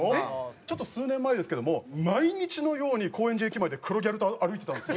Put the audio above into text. ちょっと数年前ですけども毎日のように高円寺駅前で黒ギャルと歩いてたんですよ。